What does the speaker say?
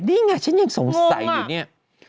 นี่ไงฉันยังสงสัยอยู่เนี่ย